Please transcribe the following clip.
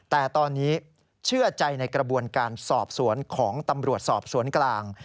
แต่ตอนนี้เชื่อใจในกระบวนการสอบสวนของตำรวจสอบสวนกลาง